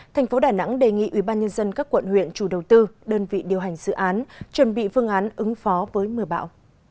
thành phố đà nẵng đề nghị ubnd các quận huyện chủ đầu tư đơn vị điều hành dự án chuẩn bị phương án ứng phó với mưa bão